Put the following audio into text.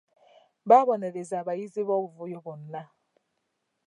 Baabonerezza abayizi b'obuvuyo bonna.